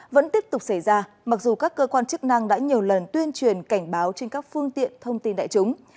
vẫn tiếp tục xảy ra mặc dù các cơ quan chức năng đã nhiều lần tuyên truyền cảnh báo trên các phương tiện thông tin đại chúng